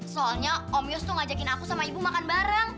soalnya om yos tuh ngajakin aku sama ibu makan bareng